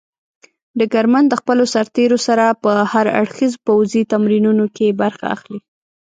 ډګرمن د خپلو سرتېرو سره په هر اړخيزو پوځي تمرینونو کې برخه اخلي.